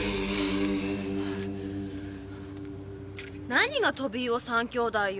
何がトビウオ三兄弟よ。